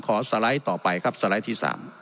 สไลด์ต่อไปครับสไลด์ที่๓